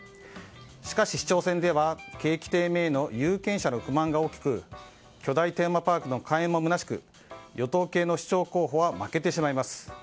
しかし市長選では景気低迷への有権者の不満が大きく巨大テーマパークの開園もむなしく与党系の市長候補は負けてしまいます。